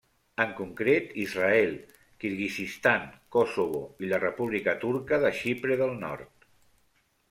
En concret Israel, Kirguizistan, Kosovo i la República Turca de Xipre del Nord.